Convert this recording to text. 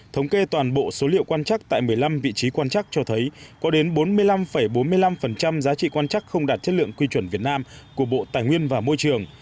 thống kê toàn bộ số liệu quan trắc tại một mươi năm vị trí quan chắc cho thấy có đến bốn mươi năm bốn mươi năm giá trị quan chắc không đạt chất lượng quy chuẩn việt nam của bộ tài nguyên và môi trường